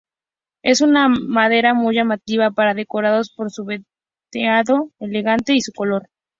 Es una madera muy llamativa para decorados por su veteado elegante y su color.